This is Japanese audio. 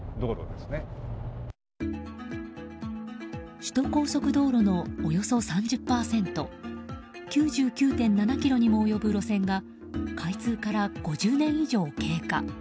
首都高速道路のおよそ３０％９９．７ｋｍにも及ぶ路線が開通から５０年以上経過。